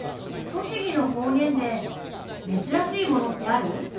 栃木の方言で珍しいものってある？